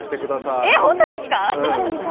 え、本当ですか？